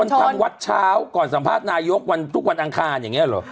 ให้สื่อมวลชนทำวัดเช้าก่อนสัมภาพนายกทุกวันอังคารอย่างนี้หรอ